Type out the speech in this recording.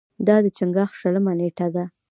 دا د چنګاښ شلمه نېټه ده.